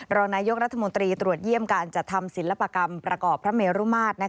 รองนายกรัฐมนตรีตรวจเยี่ยมการจัดทำศิลปกรรมประกอบพระเมรุมาตร